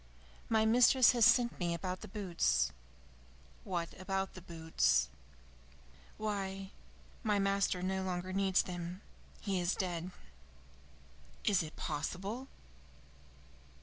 "My mistress has sent me about the boots." "What about the boots?" "Why, my master no longer needs them. He is dead." "Is it possible?"